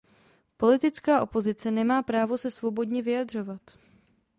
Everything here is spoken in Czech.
Politická opozice nemá právo se svobodně vyjadřovat.